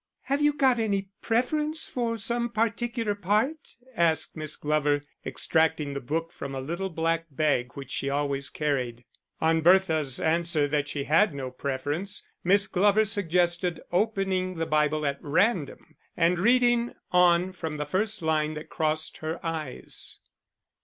"Have you got any preference for some particular part?" asked Miss Glover, extracting the book from a little black bag which she always carried. On Bertha's answer that she had no preference, Miss Glover suggested opening the Bible at random, and reading on from the first line that crossed her eyes.